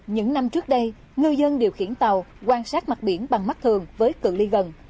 những năm trước đây ngư dân điều khiển tàu quan sát mặt biển bằng mắt thường với cự ly gần